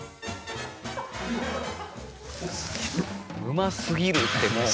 「うますぎる」ってもう。